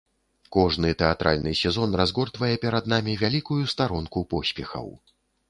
Кожны тэатральны сезон разгортвае перад намі вялікую старонку поспехаў.